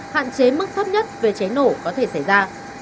hạn chế mức thấp nhất về cháy nổ có thể xảy ra